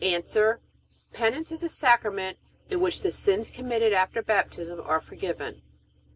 A. Penance is a Sacrament in which the sins committed after Baptism are forgiven.